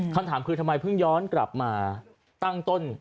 คำถามคือทำไมเพิ่งย้อนกลับมาตั้งต้น